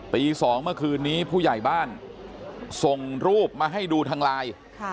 ตี๒เมื่อคืนนี้ผู้ใหญ่บ้านส่งรูปมาให้ดูทางไลน์